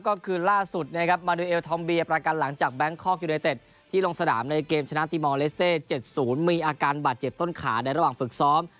ก็คือล่าสุดนะครับมาดูเอลทอมเบียประกันหลังจากแบงคอกยูไนเต็ดที่ลงสนามในเกมชนะตีมอลเลสเต้๗๐มีอาการบาดเจ็บต้นขาในระหว่างฝึกซ้อม